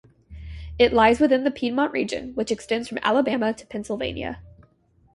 It lies within the Piedmont region, which extends from Alabama to Pennsylvania.